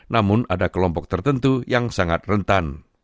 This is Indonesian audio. namun ada kelompok tertentu yang sangat rentan